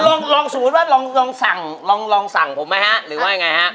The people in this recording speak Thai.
ลองลองสมมุติว่าลองสั่งลองสั่งผมไหมฮะหรือว่ายังไงฮะ